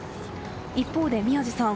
一方で宮司さん